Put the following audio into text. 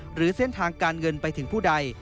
หรือเส้นทางการเงินไปถึงผู้ใด